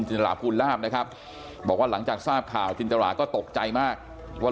ราภูลลาบนะครับบอกว่าหลังจากทราบข่าวจินตราก็ตกใจมากว่า